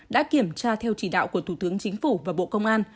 đã kiểm tra theo chỉ đạo của thủ tướng chính phủ và bộ công an